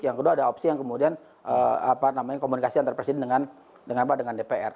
yang kedua ada opsi yang kemudian apa namanya komunikasi antar presiden dengan dengan apa dengan dpr